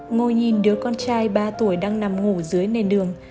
ngồi nhìn đứa con trai ba tuổi đang nằm ngủ dưới nền đường